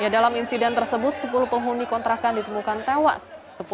dalam insiden tersebut sepuluh penghuni kontrakan ditemukan tewas